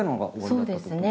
そうですね。